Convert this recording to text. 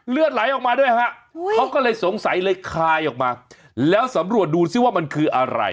เลือดไหลออกมาด้วยฮะเขาก็เลยสงสัยเลยคลายออกมาแล้วสำรวจดูซิว่ามันคืออะไร